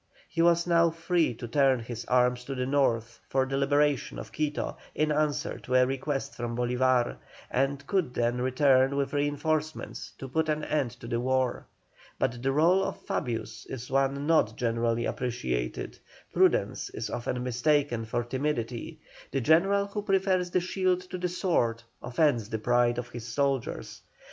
He was now free to turn his arms to the north for the liberation of Quito in answer to a request from Bolívar, and could then return with reinforcements to put an end to the war. But the rôle of Fabius is one not generally appreciated; prudence is often mistaken for timidity; the general who prefers the shield to the sword offends the pride of his soldiers.